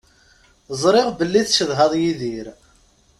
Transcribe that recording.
Ẓriɣ belli tcedhaḍ Yidir.